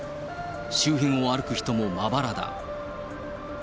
周辺を歩く人もまばらだ。